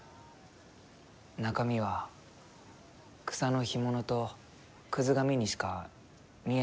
中身は草の干物とクズ紙にしか見えんでしょうから。